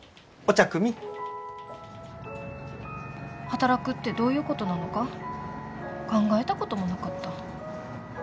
働くってどういうことなのか考えたこともなかった。